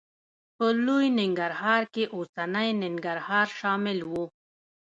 په لوی ننګرهار کې اوسنی ننګرهار شامل و.